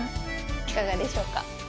いかがでしょうか。